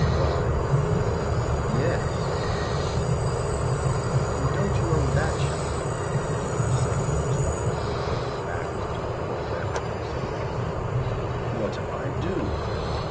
"Why er yes," said Gordon. "And don't you own that shop?" repeated the secularist, pointing backward to the pornographic bookseller. "What if I do?"